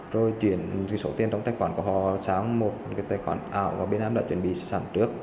rồi chuyển số tiền trong tài khoản của họ sang một cái tài khoản ảo và bên em đã chuẩn bị sẵn trước